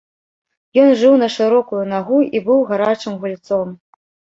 Ён жыў на шырокую нагу і быў гарачым гульцом.